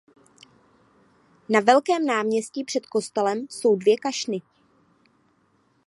Na velkém náměstí před kostelem jsou dvě kašny.